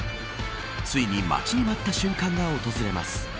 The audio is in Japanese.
ついに待ちに待った瞬間が訪れます。